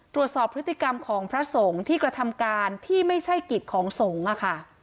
ตรวจสอบพฤติกรรมของพระสงฆ์ที่กระทำการที่ไม่ใช่กิจของสงฆ์ค่ะ